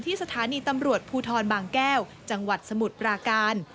สถานีตำรวจภูทรบางแก้วจังหวัดสมุทรปราการ